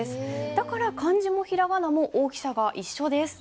だから漢字も平仮名も大きさが一緒です。